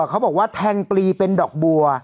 เขาบอกว่าแทงปลีเป็นดอกบัว